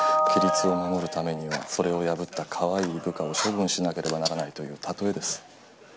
規律を守るためにはそれを破ったかわいい部下を処分しなければならないという例えです。